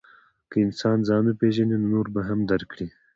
که انسان ځان وپېژني، نو نور به هم درک کړي.